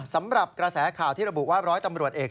สำหรับกระแสข่าวที่ระบุว่าร้อยตำรวจเอก